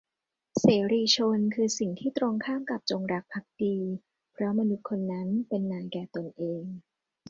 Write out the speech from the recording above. เสรีชน คือสิ่งที่ตรงข้ามกับจงรักภักดี เพราะมนุษย์คนนั้นเป็นนายแก่ตนเอง